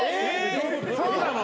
そうなの？